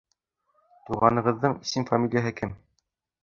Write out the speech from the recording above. Туғанығыҙҙың исем-фамилияһы кем?